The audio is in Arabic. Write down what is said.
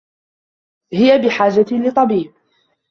هي بحاجة لطبيب.